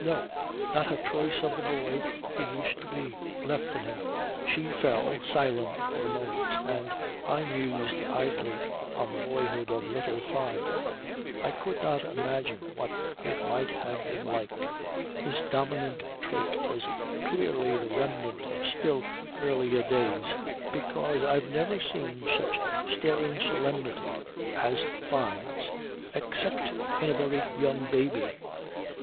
No. Not a trace of the boy, he used to be, left in him. She fell silent for a moment and I mused idly on the boyhood of little Fyne. I could not imagine what it might have been like. His dominant trait was clearly the remnant of still earlier days, because I've never seen such staring solemnity as Fyne's except in a very young baby.